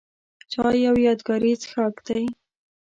چای یو یادګاري څښاک دی.